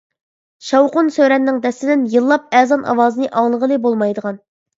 شاۋقۇن-سۈرەننىڭ دەستىدىن يىللاپ ئەزان ئاۋازىنى ئاڭلىغىلى بولمايدىغان.